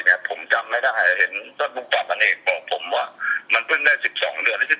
เพิ่งจะเริ่มทับควายได้เองครับอ๋อเมื่องทับได้สองปีกว่าครับ